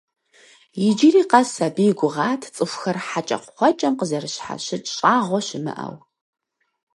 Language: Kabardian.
Иджыри къэс абы и гугъат цӀыхухэр хьэкӀэкхъуэкӀэм къазэрыщхьэщыкӀ щӀагъуэ щымыӀэу.